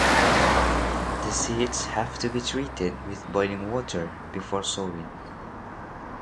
The seeds have to be treated with boiling water before sowing.